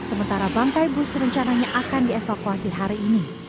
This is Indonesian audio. sementara bangkai bus rencananya akan dievakuasi hari ini